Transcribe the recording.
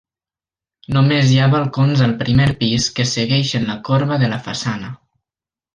Només hi ha balcons al primer pis que segueixen la corba de la façana.